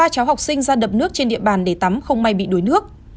ba cháu học sinh ra đập nước trên địa bàn để tắm không may bị đuối nước